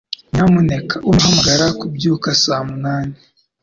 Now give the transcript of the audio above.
Nyamuneka umpe guhamagara kubyuka saa munani.